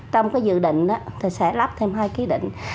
trong cái dự định thì sẽ lắp thêm hai ký định